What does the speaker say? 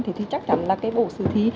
thì chắc chắn là cái bộ sử thi